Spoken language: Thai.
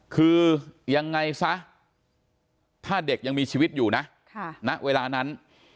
คือยังไงซะถ้าเด็กยังมีชีวิตอยู่นะณเวลานั้น